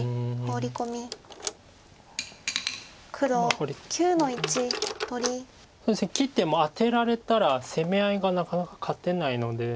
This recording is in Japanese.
まあこれ切ってもアテられたら攻め合いがなかなか勝てないので。